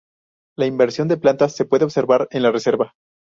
La inversión de plantas se puede observar en la reserva.